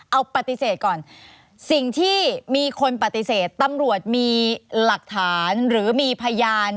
เอาปฏิเสธก่อนสิ่งที่มีคนปฏิเสธตำรวจมีหลักฐานหรือมีพยาน